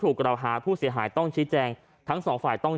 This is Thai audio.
กล่าวหาผู้เสียหายต้องชี้แจงทั้งสองฝ่ายต้อง